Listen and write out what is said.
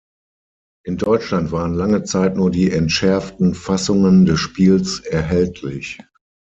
In Deutschland waren lange Zeit nur die entschärften Fassungen des Spiels erhältlich.